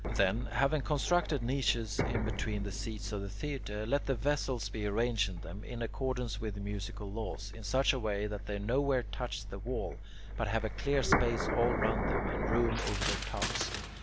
Then, having constructed niches in between the seats of the theatre, let the vessels be arranged in them, in accordance with musical laws, in such a way that they nowhere touch the wall, but have a clear space all round them and room over their tops.